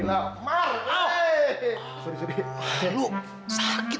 lu mau tau siapa gua